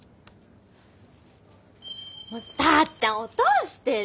もうたっちゃん落としてる！